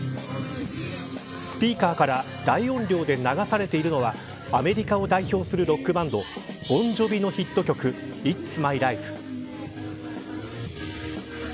スピーカーから大容量で流されているのはアメリカを代表するロックバンドボン・ジョヴィのヒット曲イッツ・マイ・ライフ。